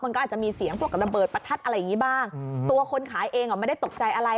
มันก็อาจจะมีเสียงพวกกับระเบิดประทัดอะไรอย่างงี้บ้างตัวคนขายเองอ่ะไม่ได้ตกใจอะไร